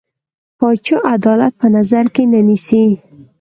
پاچا عدالت په نظر کې نه نيسي.